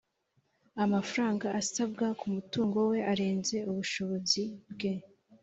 amafaranga asabwa ku mutungo we arenze ubushobozi bwe